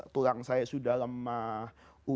tulang saya sudah lemah